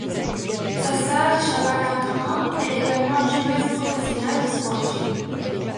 Sa sœur Shabana Khan est également joueuse professionnelle de squash.